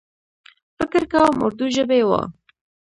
فکر کوم اردو ژبۍ و.